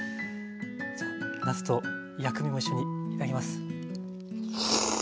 じゃあなすと薬味も一緒に頂きます。